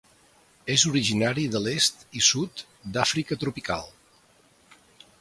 És originari de l'est i sud d'Àfrica tropical.